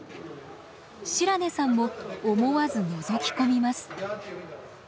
白根さんも思わずのぞき込みます。